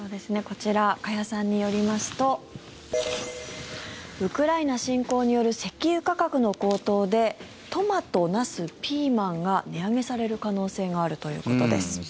こちら加谷さんによりますとウクライナ侵攻による石油価格の高騰でトマト、ナス、ピーマンが値上げされる可能性があるということです。